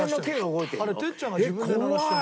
「あれ哲ちゃんが自分で鳴らしてる」